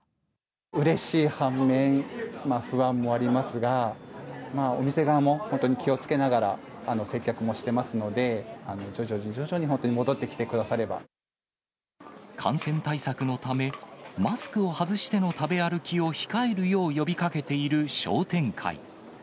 うれしい反面、不安もありますが、お店側も本当に気をつけながら接客もしてますので、徐々に徐々に、感染対策のため、マスクを外しての食べ歩きを控えるよう呼びかけている商店会。